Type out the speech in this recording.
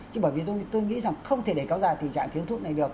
chứ bởi vì tôi nghĩ rằng không thể để cáo ra tình trạng thiếu thuốc này được